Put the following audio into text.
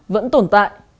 vẫn tồn tại